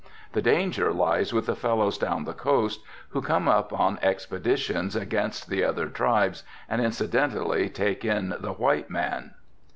The danger lies with the fellows down the coast, who come up on expeditions against other tribes and incidentally take in the white man."